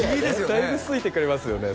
だいぶ好いてくれますよね